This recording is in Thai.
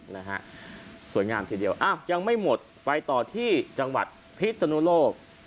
นะฮะสวยงามทีเดียวอ้าวยังไม่หมดไปต่อที่จังหวัดพิศนุโลก